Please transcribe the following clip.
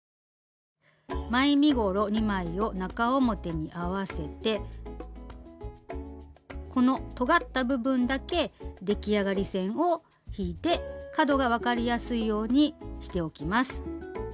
前身ごろ２枚を中表に合わせてこのとがった部分だけ出来上がり線を引いて角が分かりやすいようにしておきます。